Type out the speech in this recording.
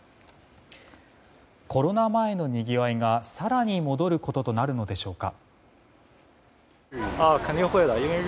コロナ前のにぎわいが更に戻ることとなるのでしょうか。